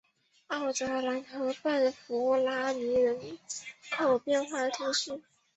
奥泽兰河畔弗拉维尼人口变化图示